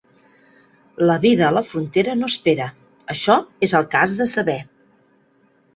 La vida a la frontera no espera; això és el que has de saber.